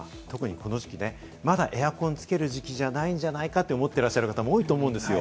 特にこの時期、まだエアコンつける時期じゃないんじゃないかと思ってらっしゃる方も多いと思うんですよ。